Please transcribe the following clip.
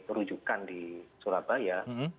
terujukan di surabaya